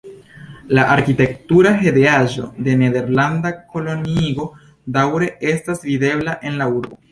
La arkitektura heredaĵo de nederlanda koloniigo daŭre estas videbla en la urbo.